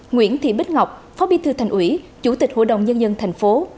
nguyễn thị bích ngọc phó bí thư thành ủy chủ tịch hội đồng nhân dân thành phố